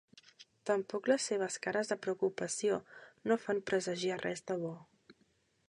Tampoc les seves cares de preocupació no fan presagiar res de bo.